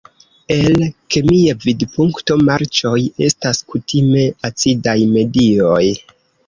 El kemia vidpunkto, marĉoj estas kutime acidaj medioj.